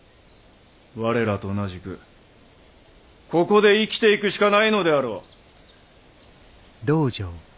我らと同じくここで生きていくしかないのであろう！